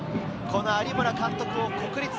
「有村監督を国立へ。」。